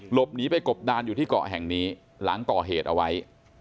หลบหนีไปกบดานอยู่ที่เกาะแห่งนี้หลังก่อเหตุเอาไว้